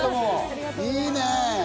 いいね。